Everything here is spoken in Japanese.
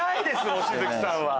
望月さんは。